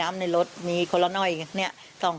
ไม่ต้องรู้รู้หน่อยนะ